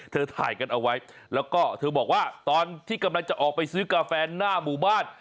ถ่ายกันเอาไว้แล้วก็เธอบอกว่าตอนที่กำลังจะออกไปซื้อกาแฟหน้าหมู่บ้าน